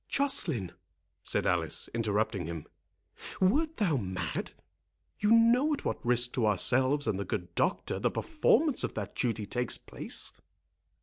"Joceline," said Alice, interrupting him, "wert thou mad? You know at what risk to ourselves and the good doctor the performance of that duty takes place."